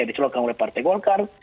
yang diseluruhkan oleh partai golkar